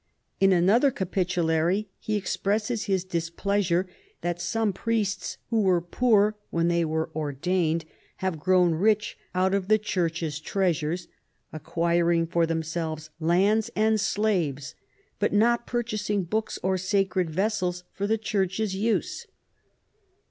In another Capitulary, he expresses his displeasure that some priests, who y^^are poor when they were ordained, have grown rich out of the church's treasures, acquiring for themselves lands and slaves, but not purchasing books or sacred vessels for the church's use.